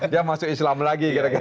dia masuk islam lagi